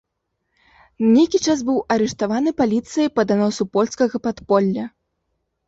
На нейкі час быў арыштаваны паліцыяй па даносу польскага падполля.